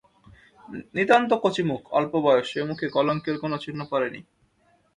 নিতান্ত কচিমুখ, অল্প বয়স, সে মুখে কলঙ্কের কোনো চিহ্ন পড়ে নাই।